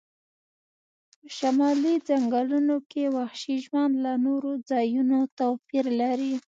په شمالي ځنګلونو کې وحشي ژوند له نورو ځایونو توپیر لري